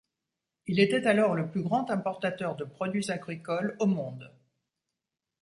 Il était alors le plus grand importateur de produits agricoles au monde.